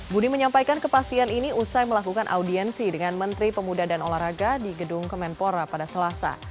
budi menyampaikan kepastian ini usai melakukan audiensi dengan menteri pemuda dan olahraga di gedung kemenpora pada selasa